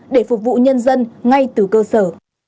để phục vụ nhân dân ngay từ cơ sở